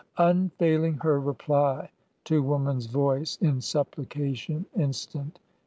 Unfailing her reply to woman's voice In supplication instant.